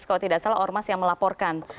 kalau tidak salah ormas yang melaporkan